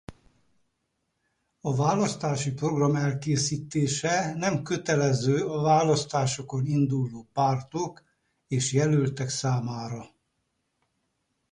A választási program elkészítése nem kötelező a választásokon induló pártok és jelöltek számára.